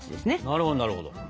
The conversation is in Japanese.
なるほどなるほど。